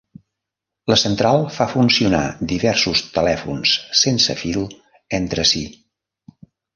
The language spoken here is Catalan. La central fa funcionar diversos telèfons sense fil entre si.